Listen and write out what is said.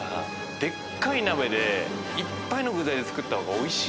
デッカい鍋でいっぱいの具材で作ったほうがおいしい。